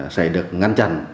sẽ được ngăn chặn